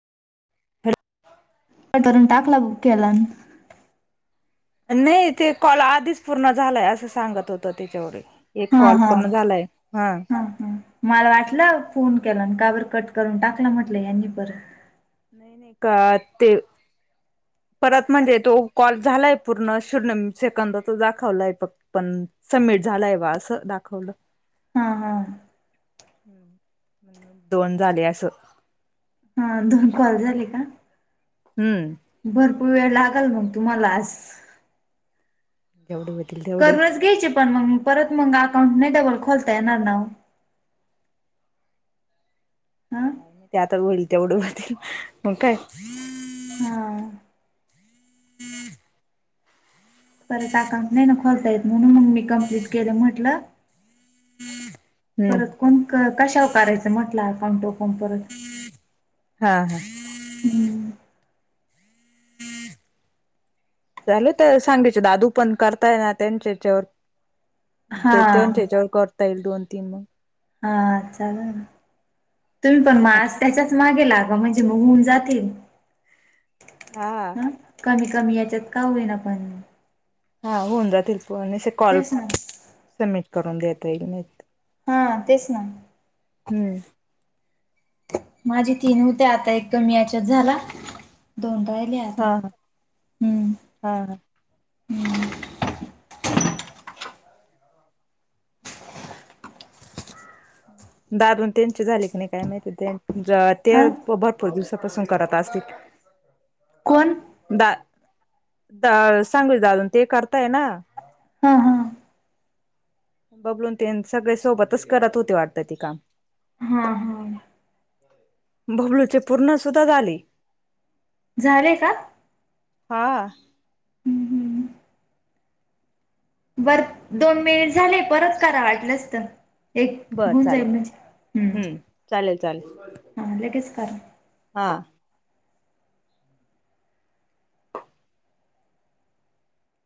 हाड [unintelligible] टाकला बुक केला अन नाही ते कॉल आधीच पूर्ण झालाय असं सांगत होतं त्याच्या वरी. एक हा कॉल हा पूर्ण झालाय. हा मला वाटल फोन केला का बर कट करून टाकला म्हटलं यांनी परत. नाही नाही का ते परत म्हणजे तो कॉल झालाय पूर्ण शून्य सेकंदाचा दाखवलाय फक्त्त. पण सबमिट झालाय बा असं दाखवलं. हा हा दोन झाले. असं हा दोन कॉल झाले का? हम्म भरपूर वेळ लागल मग तुम्हाला आज. एवढे होतील तेव करूनच घ्यायची पण मंग परत मंग अकाउंट नाही, डबल खोलता येणार ना ओ. हा ते आता होईल, तेवढं होतील. मंग काय. हा परत अकाउंट नाही ना खोलता येत म्हणून मंग मी कम्प्लीट केलं. म्हटलं हम्म परत कोण क-कशावर करायच म्हटलं अकाउंट ओपन परत. हा हा हम्म झाले तर सांगाचे दादू पण करताय ना त्यांच्या याच्यावर हा ते त्यांच्या ह्याच्यावर करता येइल. दोन, तीन, मग. हा चाल ना, तुम्ही पण मा त्याच्याच मागे ला म्हणजे बघून जातिल. हा हा‌. ह कमी कमी याच्यात का होईन आपण. होऊन जातील पण असे कॉल तेच ना सबमिट करून देत येईल. हा तेच ना. हम्म. माझी तीन होते आता एक कमी याच्यात झाला. दोन राहिले आता हा हा हम्म. हा हं. [inaudible] [inaudible] दादून त्यांचे झाले की नाही काय माहिती, ते अ भरपूर दिवसापासून करत असतील. कोण [unintelligible] दा सांगवी चे दादु अन् ते करताय ना. हा हा. बबलून तेन सगळे सोबतच करत होते वाटतं ते काम. हां हां. बबलूचे पूर्ण सुद्धा झाले. झाले का? हां. हम्म हम. बर दोन मिनिट झाले परत करा वाटलंस तर. एक बरं होऊन चालेल जाईल म्हणजे हम् हम्म चालेल हा लगेच कारा. हां.